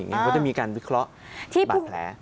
เขาจะมีการวิเคราะห์ที่บาดแผล